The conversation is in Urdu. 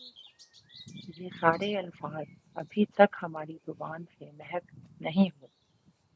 یہ سارے الفاظ ابھی تک ہماری زبان سے محو نہیں ہوئے